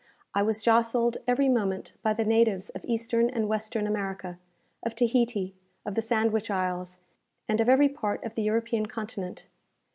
I was jostled every moment by the natives of eastern and western America, of Tahiti, of the Sandwich Isles, and of every part of the European continent.